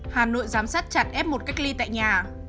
hà nội giám sát chặt f một cách ly tại nhà